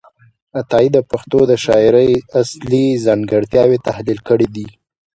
عطايي د پښتو د شاعرۍ اصلي ځانګړتیاوې تحلیل کړې دي.